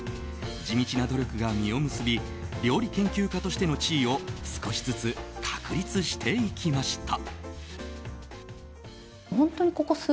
地道な努力が実を結び料理研究家としての地位を少しずつ確立していきました。